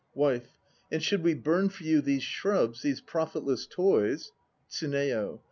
WIFE. And should we burn for you These shrubs, these profitless toys, TSUNEYO.